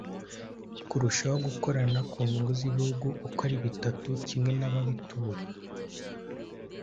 kurushaho gukorana ku nyungu z'ibihugu uko ari bitatu kimwe n'ababituye